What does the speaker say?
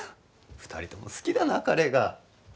２人とも好きだなカレーが。